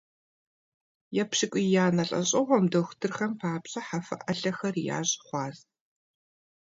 Епщыкӏуиянэ лӏэщӏыгъуэм дохутырхэм папщӏэ хьэфэ ӏэлъэхэр ящӏ хъуащ.